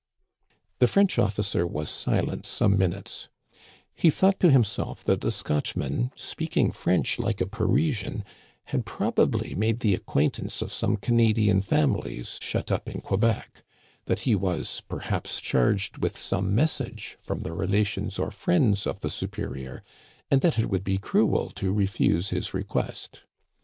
The French officer was silent some minutes ; he thought to himself that the Scotchman, speaking French like a Parisian, had probably made the acquaintance of some Canadian families shut up in Quebec; that he was perhaps charged with some message from the relations or friends of the superior, and that it would be cruel to refuse his request.